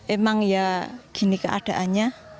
emang ya gini keadaannya